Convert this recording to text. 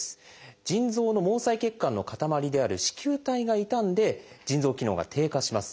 腎臓の毛細血管のかたまりである糸球体が傷んで腎臓機能が低下します。